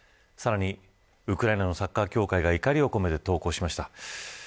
さらにウクライナのサッカー協会が怒りを込めて投稿しました。